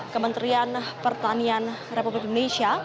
kementerian pertanian republik indonesia